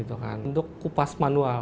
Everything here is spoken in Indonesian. untuk kupas manual